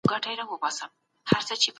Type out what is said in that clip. کابینه د سولي پروسه نه خرابوي.